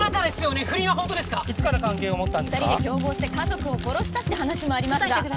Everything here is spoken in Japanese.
２人で共謀して家族を殺したって話もありますが。